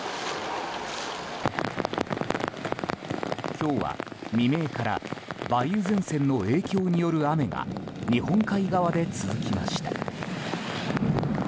今日は未明から梅雨前線の影響による雨が日本海側で続きました。